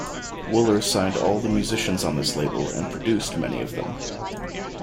Wooler signed all the musicians on this label and produced many of them.